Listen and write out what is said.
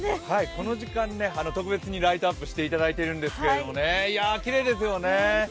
この時間、特別にライトアップしていただいているんですけどね、きれいですよね。